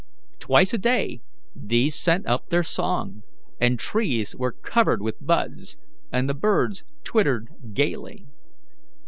Twice a day these sent up their song, and trees were covered with buds, and the birds twittered gaily.